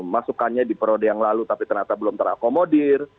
masukannya di periode yang lalu tapi ternyata belum terakomodir